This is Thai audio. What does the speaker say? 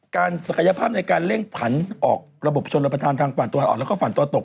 การศักยภาพในการเล่งผันออกระบบชนระบายชนระบายทางฝั่งตัวตกและฝั่งตัวตก